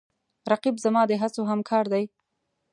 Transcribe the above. رقیب زما د هڅو همکار دی